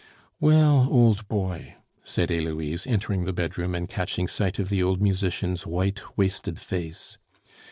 "Well, old boy," said Heloise, entering the bedroom and catching sight of the old musician's white, wasted face.